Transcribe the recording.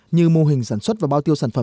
như mô hình sản xuất và bao tiêu sản phẩm